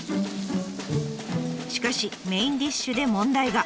しかしメインディッシュで問題が。